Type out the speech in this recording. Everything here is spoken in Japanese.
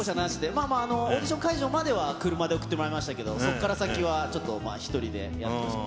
まあまあオーディション会場までは車で送ってもらいましたけど、そこから先はちょっと１人でやってました。